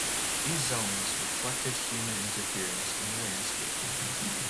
These zones reflected human interference in the landscape.